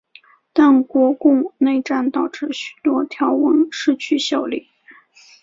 但国共内战导致许多条文失去效力。